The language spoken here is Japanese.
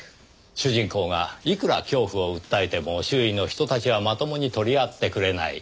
主人公がいくら恐怖を訴えても周囲の人たちはまともに取り合ってくれない。